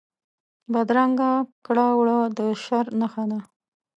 بدرنګه کړه وړه د شر نښه ده